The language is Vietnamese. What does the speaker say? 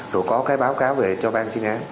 rồi có cái báo cáo về cho bang chiến án